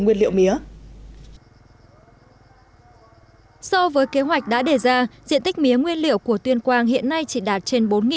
nguyên liệu mía so với kế hoạch đã đề ra diện tích mía nguyên liệu của tuyên quang hiện nay chỉ